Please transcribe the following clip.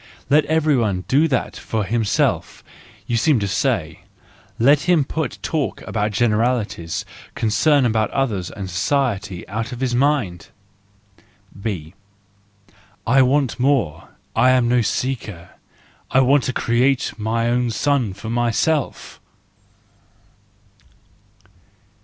Let everyone do that for himself—you seem to say, SANCTUS JANUARIUS 249 —and let him put talk about generalities, concern about others and society, out of his mind !—B : I want more ; I am no seeker. I want to create my own sun for myself.